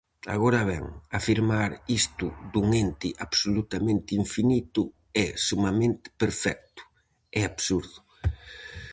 Agora ben, afirmar isto dun Ente absolutamente infinito, e sumamente perfecto, é absurdo.